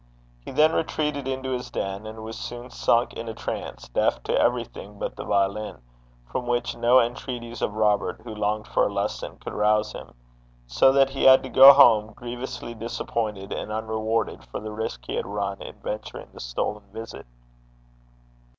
He then retreated into his den, and was soon sunk in a trance, deaf to everything but the violin, from which no entreaties of Robert, who longed for a lesson, could rouse him; so that he had to go home grievously disappointed, and unrewarded for the risk he had run in venturing the stolen visit.